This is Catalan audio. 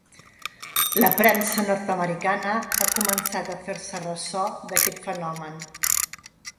La premsa nord-americana ha començat a fer-se ressò d’aquest fenomen.